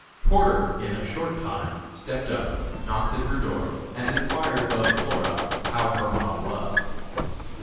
Porter, in a short time, stepped up, knocked at her door and enquired of Flora how her ma was.